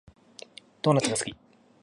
ドーナツが好き